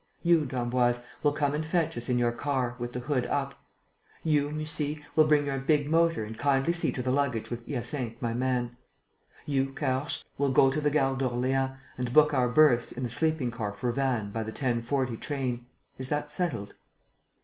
You, d'Emboise, will come and fetch us in your car, with the hood up. You, Mussy, will bring your big motor and kindly see to the luggage with Hyacinthe, my man. You, Caorches, will go to the Gare d'Orléans and book our berths in the sleeping car for Vannes by the 10.40 train. Is that settled?"